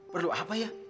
perlu apa ya